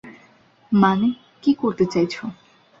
মানে, কি করতে চাইছো?